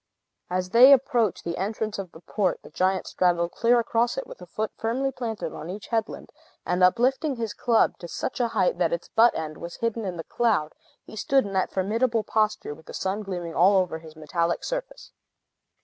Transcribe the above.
As they approached the entrance of the port, the giant straddled clear across it, with a foot firmly planted on each headland, and uplifting his club to such a height that its butt end was hidden in the cloud, he stood in that formidable posture, with the sun gleaming all over his metallic surface.